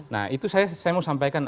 nah itu saya mau sampaikan